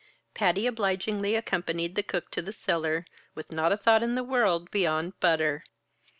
Patty obligingly accompanied the cook to the cellar, with not a thought in the world beyond butter.